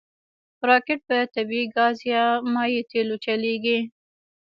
راکټ په طبعي ګاز یا مایع تېلو چلیږي